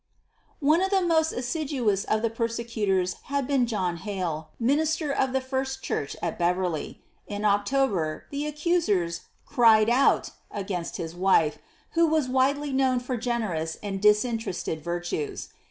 One of the most assiduous of the prosecutors had been John Hale, minister of the First Church at Beverly. In October the accusers "cried out" against his wife, who was widely known for generous and disinterested virtues.